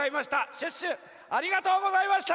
シュッシュありがとうございました！